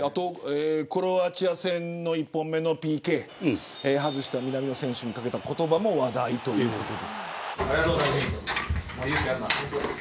クロアチア戦の１本目のＰＫ外した南野選手に掛けた言葉も話題ということで。